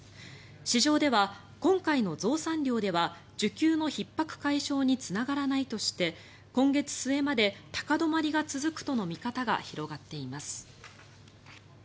市場では、今回の増産量では需給のひっ迫解消につながらないとして今月末まで高止まりが続くとの見方が広がっています。